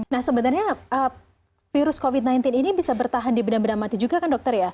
nah sebenarnya virus covid sembilan belas ini bisa bertahan di benda benda mati juga kan dokter ya